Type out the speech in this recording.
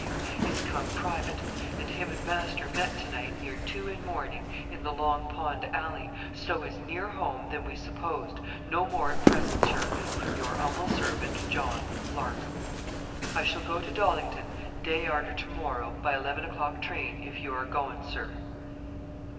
W. is cum privet, and him and master met tonite nere 2 in morning, in the long pond allee, so is near home then we suposed, no more at present Sir from your 'humbel servent JOHN 'LARCOM. 'i shall go to dolington day arter to morrow by eleven o'clock trane if you ere gong, Sir.'